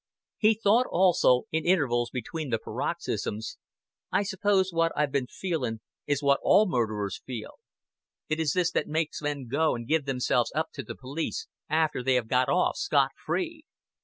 He thought also, in intervals between the paroxysms, "I suppose what I've been feeling is what all murderers feel. It is this that makes men go and give themselves up to the police after they have got off scot free.